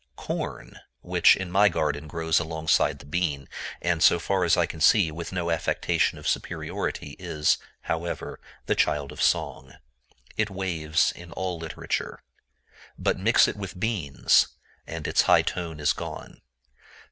Corn, which, in my garden, grows alongside the bean, and, so far as I can see, with no affectation of superiority, is, however, the child of song. It waves in all literature. But mix it with beans, and its high tone is gone.